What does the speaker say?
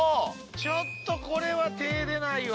「ちょっとこれは手出ないわ」